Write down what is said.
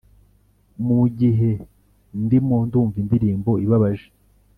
mugihe ndimo ndumva indirimbo ibabaje,